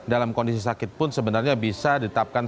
dalam kondisi sakit pun sebenarnya bisa ditetapkan